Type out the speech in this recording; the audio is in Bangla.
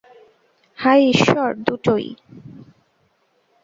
হায় ঈশ্বর, দুটোই।